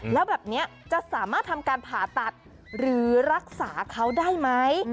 แล้วแบบนี้จะสามารถทำการผ่าตัดหรือรักษาเขาได้ไหม